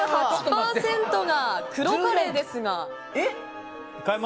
４８％が黒カレーですが。